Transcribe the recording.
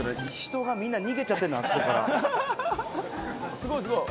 すごい、すごい。